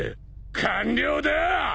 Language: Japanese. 完了だ！